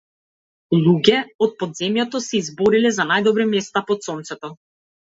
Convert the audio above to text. Луѓе од подземјето се избориле за најдобри места под сонцето.